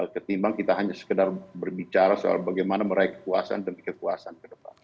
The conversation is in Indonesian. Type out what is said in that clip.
ketimbang kita hanya sekedar berbicara soal bagaimana meraih kekuasaan demi kekuasaan ke depan